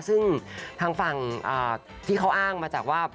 ซึ่งทางฝั่งที่เขาอ้างมาจากว่า